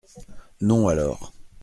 Non alors !